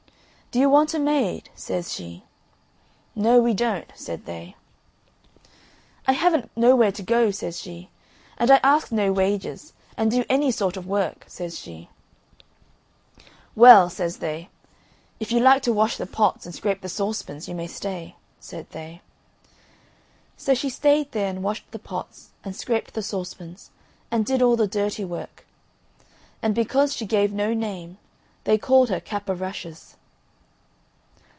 "Do you want a maid?" says she. "No, we don't," said they. "I haven't nowhere to go," says she; "and I ask no wages, and do any sort of work," says she. "Well," says they, "if you like to wash the pots and scrape the saucepans you may stay," said they. So she stayed there and washed the pots and scraped the saucepans and did all the dirty work. And because she gave no name they called her "Cap o' Rushes."